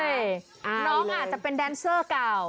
น้องอาจจะเป็นแดนเซอร์เก่า